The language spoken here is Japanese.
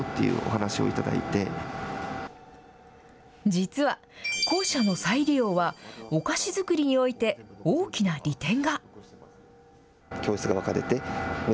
実は、校舎の再利用は、お菓子作りにおいて、大きな利点が。